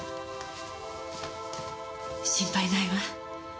心配ないわ。